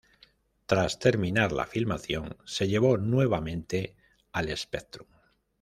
Tras terminar la filmación, se llevó nuevamente al Spectrum.